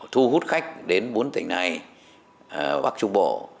thu hút khách đến bốn tỉnh này bắc trung bộ